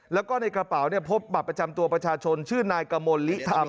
แล้วก็ในกระเป๋าพบบัตรประจำตัวประชาชนชื่อนายกมลลิธรรม